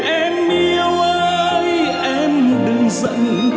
em yêu ơi em đừng giận